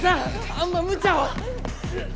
あんまむちゃは。